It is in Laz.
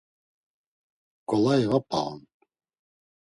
K̆olai va p̌a on.